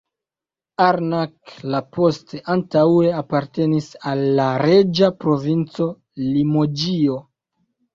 Arnac-la-Poste antaŭe apartenis al la reĝa provinco Limoĝio.